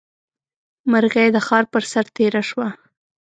مرغۍ د ښار پر سر تېره شوه.